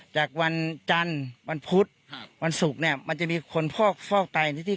จากวันจันทร์วันพุธครับวันศุกร์เนี่ยมันจะมีคนฟอกฟอกไตที่